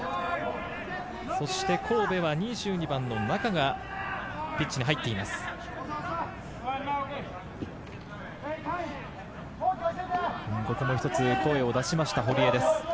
神戸は２２番の中がピッチに入っています。